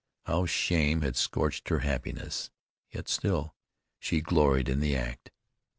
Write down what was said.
How shame had scorched her happiness! Yet still she gloried in the act.